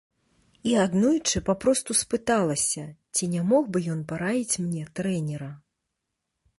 І аднойчы папросту спыталася, ці не мог бы ён параіць мне трэнера.